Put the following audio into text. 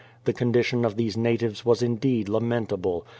The condition of these natives was indeed lamentable.